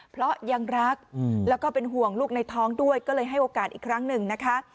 เพราะยังรักแล้วก็เป็นห่วงลูกในท้องด้วยก็เลยให้โอกาสอีกครั้งหนึ่งนะคะ